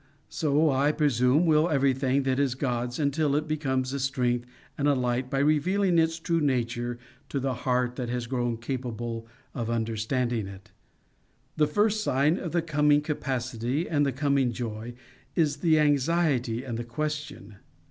So I presume will everything that is God's, until it becomes a strength and a light by revealing its true nature to the heart that has grown capable of understanding it. The first sign of the coming capacity and the coming joy, is the anxiety and the question.